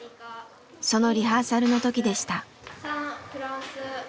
そのリハーサルの時でした。